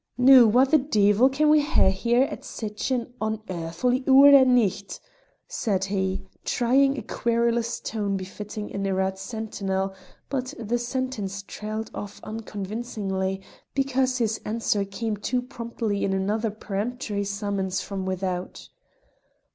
"Noo, wha the deevil can we hae here at sic an unearthly oor o' nicht?" said he, trying a querulous tone befitting an irate sentinel; but the sentence trailed off unconvincingly, because his answer came too promptly in another peremptory summons from without.